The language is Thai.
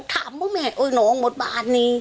ถามก็ไม่เห็นโยน้องหมดบานนี้